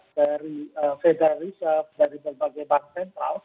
dari fedarisa dari berbagai bank sentral